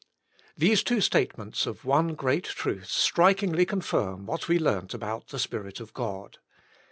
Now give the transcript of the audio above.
These two statements of one great truth strik ingly confirm what we learnt about the Spirit of God.